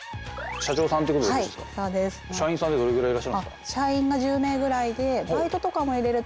社員さんってどれぐらいいらっしゃるんですか。